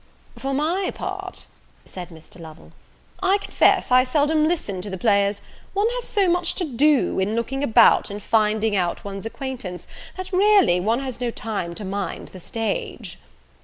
"For my part," said Mr. Lovel, "I confess I seldom listen to the players: one has so much to do, in looking about and finding out one's acquaintance, that, really, one has no time to mind the stage.